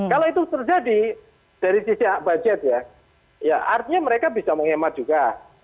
kalau itu terjadi dari sisi budget ya artinya mereka bisa menghemat juga